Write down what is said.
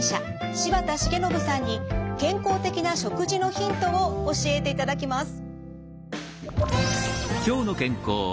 柴田重信さんに健康的な食事のヒントを教えていただきます。